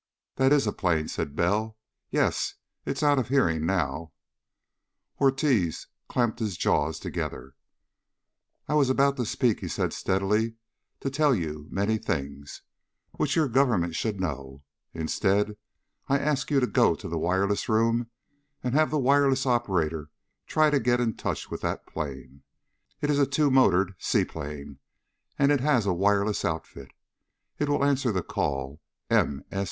"That is a plane," said Bell. "Yes, It's out of hearing now." Ortiz clamped his jaws together. "I was about to speak," he said steadily, "to tell you many things. Which your government should know. Instead, I ask you to go to the wireless room and have the wireless operator try to get in touch with that plane. It is a two motored seaplane and it has a wireless outfit. It will answer the call M.